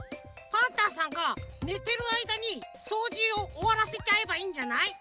パンタンさんがねてるあいだにそうじをおわらせちゃえばいいんじゃない？